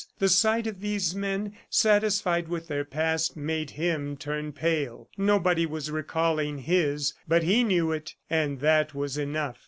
The sight of these men, satisfied with their past, made him turn pale. Nobody was recalling his, but he knew it, and that was enough.